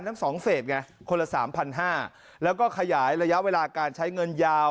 ทั้งสองเฟสไงคนละสามพันห้าแล้วก็ขยายระยะเวลาการใช้เงินยาว